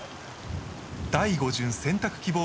第５巡選択希望